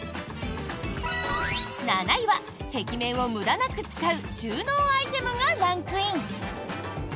７位は、壁面を無駄なく使う収納アイテムがランクイン。